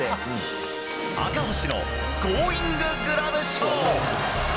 赤星のゴーインググラブ賞。